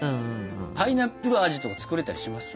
パイナップル味とか作れたりします？